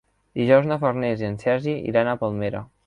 Dijous na Farners i en Sergi iran a Palmera.